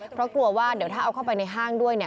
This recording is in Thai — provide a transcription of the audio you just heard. เพราะกลัวว่าเดี๋ยวถ้าเอาเข้าไปในห้างด้วย